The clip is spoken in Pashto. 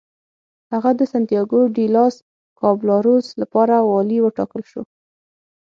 هغه د سنتیاګو ډي لاس کابالروس لپاره والي وټاکل شو.